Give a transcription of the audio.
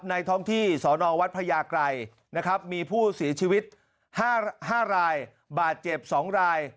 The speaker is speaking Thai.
ท้องที่สนวัดพระยากรัยนะครับมีผู้เสียชีวิต๕รายบาดเจ็บ๒ราย